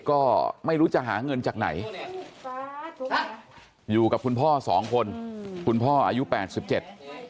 ก็ไม่รู้จะหาเงินจากไหนอยู่กับคุณพ่อสองคนอืมคุณพ่ออายุแปดสิบเจ็ด